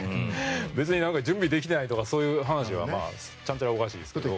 別に準備できてないとかそういう話はちゃんちゃらおかしいですけどね。